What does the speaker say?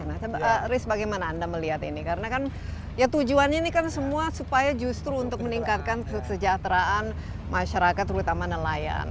nah riz bagaimana anda melihat ini karena kan ya tujuannya ini kan semua supaya justru untuk meningkatkan kesejahteraan masyarakat terutama nelayan